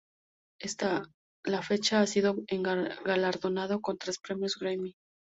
Hasta la fecha ha sido galardonado con tres Premios Grammy.